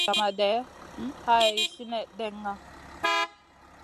Zamagé day hay sinèh ɗenŋa.